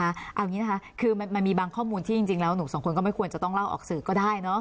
เอาอย่างนี้นะคะคือมันมีบางข้อมูลที่จริงแล้วหนูสองคนก็ไม่ควรจะต้องเล่าออกสื่อก็ได้เนอะ